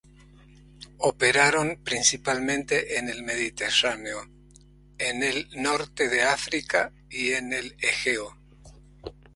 Operaron principalmente en el Mediterráneo, en el Norte de África y en el Egeo.